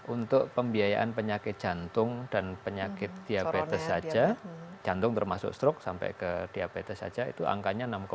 untuk pembiayaan penyakit jantung dan penyakit diabetes saja jantung termasuk strok sampai ke diabetes saja itu angkanya enam tujuh